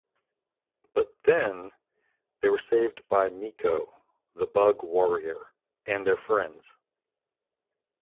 But then they were saved by Miko the bug warrior and their friends.